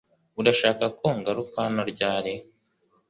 Urashaka ko ngaruka hano ryari?